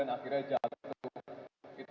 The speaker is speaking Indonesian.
dan akhirnya jatuh